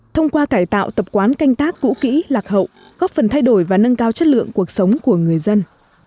thông qua cải tạo tập quán canh tác cũ kỹ lạc hậu góp phần thay đổi và nâng cao chất lượng cuộc sống của người dân